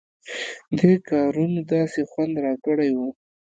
دې کار نو داسې خوند راکړى و.